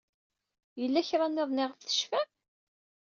Yella kra niḍen ayɣef tecfam?